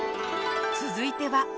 続いては。